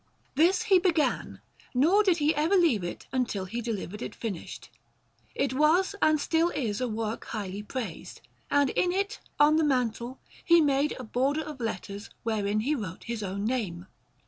This he began, nor did he ever leave it until he delivered it finished. It was and still is a work highly praised, and in it, on the mantle, he made a border of letters, wherein he wrote his own name.